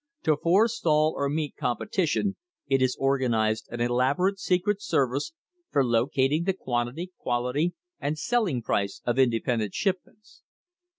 To forestall or meet com petition it has organised an elaborate secret service for locating the quantity, quality, and selling price of independent ship ments.